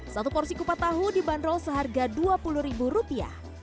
satu porsi kupat tahu dibanderol seharga dua puluh ribu rupiah